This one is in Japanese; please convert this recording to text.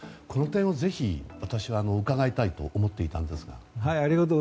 この点をぜひ私は伺いたいと思っていたんですが。